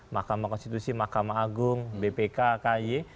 makamah konstitusi makamah agung bpk ki